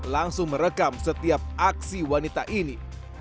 langsung merekam setiap aksi wanita ini